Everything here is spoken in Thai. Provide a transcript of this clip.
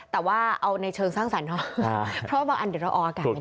แต่ว่าเอาในเชิงสร้างสรรค์เพราะว่าบางอันเดียวเราออกกันไม่ได้นะ